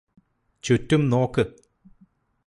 ചുറ്റും നോക്ക്